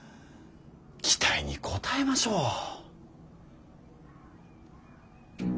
期待に応えましょう。